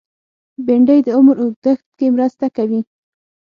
بېنډۍ د عمر اوږدښت کې مرسته کوي